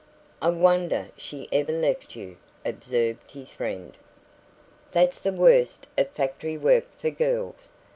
] "I wonder she ever left you," observed his friend. "That's the worst of factory work, for girls.